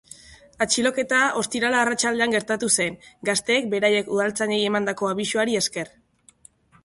Atxiloketa ostiral arratsaldean gertatu zen, gazteek beraiek udaltzainei emandako abisuari esker.